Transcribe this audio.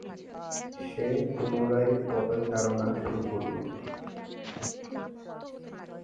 সে পুনরায় পদচারণা শুরু করল।